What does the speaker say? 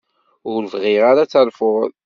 Ur bɣiɣ ara ad terfuḍ.